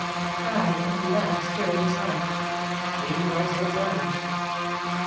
Pride and love stirred his heart She was his own.